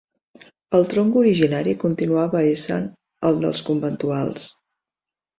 El tronc originari continuava essent el dels conventuals.